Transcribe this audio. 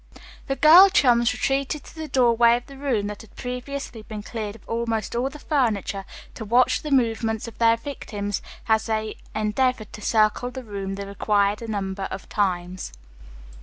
The girl chums retreated to the doorway of the room, that had previously been cleared of almost all the furniture, to watch the movements of their victims as they endeavored to circle the room the required number of times.